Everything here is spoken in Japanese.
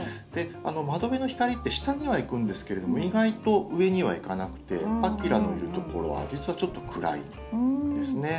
窓辺の光って下には行くんですけれども意外と上には行かなくてパキラのいるところは実はちょっと暗いんですね。